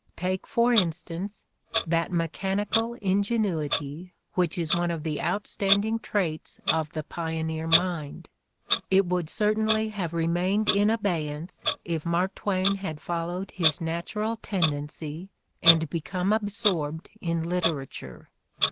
Take, for instance, that mechanical ingenuity which is one of the outstanding traits of the pioneer mind: it would certainly have remained in abeyance if Mark Twain had followed his natural tendency and become absorbed in literature.